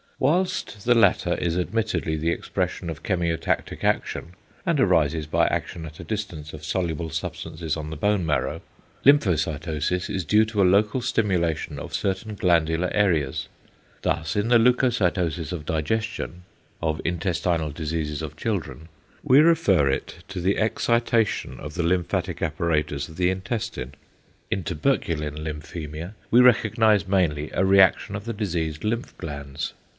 Whilst the latter is admittedly the expression of chemiotactic action, and arises by action at a distance of soluble substances on the bone marrow, lymphocytosis is due to a local stimulation of certain glandular areas. Thus in the leucocytosis of digestion, of intestinal diseases of children, we refer it to the excitation of the lymphatic apparatus of the intestine, in tuberculin lymphæmia we recognise mainly a reaction of the diseased lymph glands.